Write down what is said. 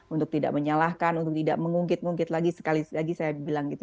untuk tidak menyalahkan untuk tidak mengungkit ungkit lagi sekali lagi saya bilang gitu